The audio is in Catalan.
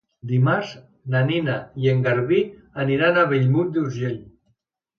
Dimarts na Nina i en Garbí aniran a Bellmunt d'Urgell.